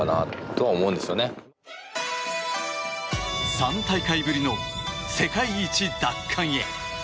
３大会ぶりの世界一奪還へ。